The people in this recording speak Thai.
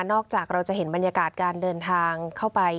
จากเราจะเห็นบรรยากาศการเดินทางเข้าไป